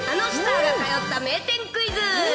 あのスターが通った名店クイズ。